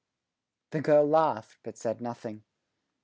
The girl laughed, but said nothing.